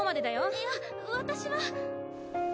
いや私は。